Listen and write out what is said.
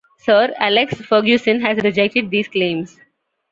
Sir Alex Ferguson has rejected these claims.